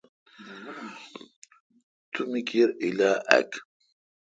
تو می کیر الا اک۔